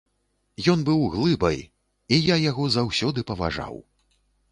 Ён быў глыбай, і я яго заўсёды паважаў.